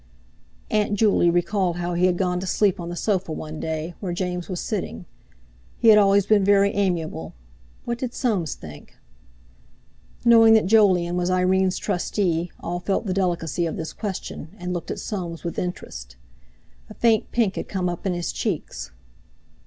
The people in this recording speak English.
Aunt Juley recalled how he had gone to sleep on the sofa one day, where James was sitting. He had always been very amiable; what did Soames think? Knowing that Jolyon was Irene's trustee, all felt the delicacy of this question, and looked at Soames with interest. A faint pink had come up in his cheeks.